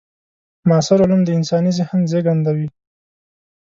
معاصر علوم د انساني ذهن زېږنده وي.